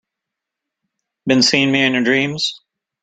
Been seeing me in your dreams?